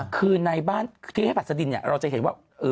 คือในบ้านเทพหัสดินเราจะเห็นว่า